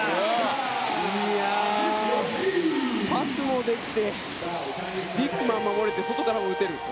パスもできてビッグマンもできて外からも打てる。